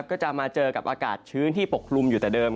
ก็จะมาเจอกับอากาศชื้นที่ปกคลุมอยู่แต่เดิม